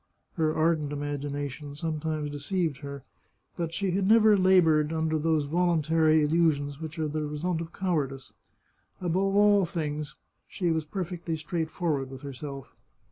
Her ardent imagination sometimes deceived her, but she had never laboured under those voluntary illusions which are the result of cowardice. Above all things, she was per fectly straightforward with herself.